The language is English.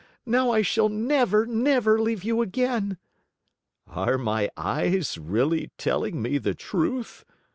Now I shall never, never leave you again!" "Are my eyes really telling me the truth?"